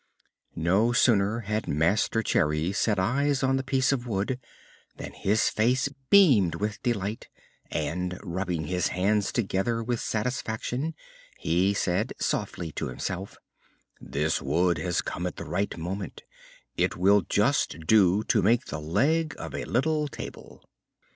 No sooner had Master Cherry set eyes on the piece of wood than his face beamed with delight, and, rubbing his hands together with satisfaction, he said softly to himself: "This wood has come at the right moment; it will just do to make the leg of a little table."